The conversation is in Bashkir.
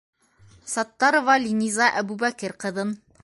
-Саттарова Линиза Әбүбәкер ҡыҙын.